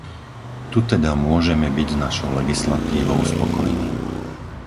Tu teda môžeme byť s našou legislatívou spokojní.